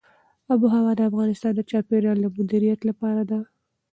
آب وهوا د افغانستان د چاپیریال د مدیریت لپاره ده.